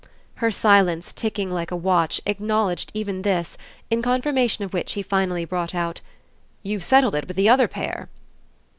Her silence, ticking like a watch, acknowledged even this, in confirmation of which he finally brought out: "You've settled it with the other pair!"